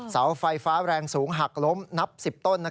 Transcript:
เสาไฟฟ้าแรงสูงหักล้มนับ๑๐ต้น